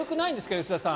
吉田さん。